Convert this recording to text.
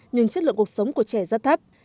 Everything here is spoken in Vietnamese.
nhưng chất lượng cuộc sống của trẻ rất thấp